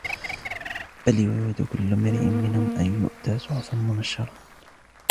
بل يريد كل امرئ منهم أن يؤتى صحفا منشرة